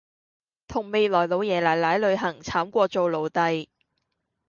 同未來老爺奶奶旅行慘過做奴隸